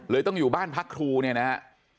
ต้องอยู่บ้านพักครูเนี่ยนะฮะ